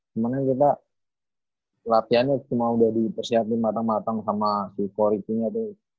sebenernya kita latihannya cuma udah dipersiapin matang matang sama di correcting nya tuh